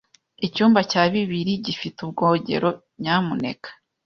Icyumba cya bibiri gifite ubwogero, nyamuneka.